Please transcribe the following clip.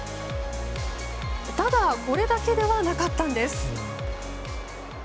ただ、これだけではなかったんです。